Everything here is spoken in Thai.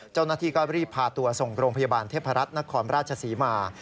เจ้าหน้าที่ก็รีบพาตัวส่งโรงพยาบาลเทพรัฐนครราชศรีมา